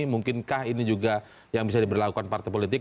mungkinkah ini juga yang bisa diberlakukan partai politik